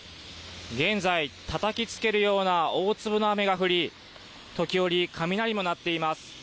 現在、たたきつけるような大粒の雨が降り時折雷も鳴っています。